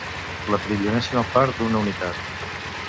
La trilionèsima part d'una unitat.